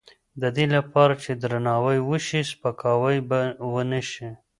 د دې لپاره چې درناوی وشي، سپکاوی به ونه شي.